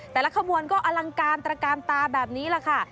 แต่ละขบวนก็อลังการตระกาลตาแบบนี้แหละค่ะ